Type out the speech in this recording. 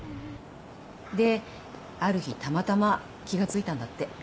である日たまたま気が付いたんだって。